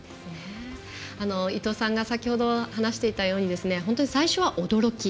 伊藤さんが先ほど話されていたように本当に最初は驚き。